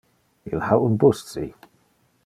Il ha un bus ci.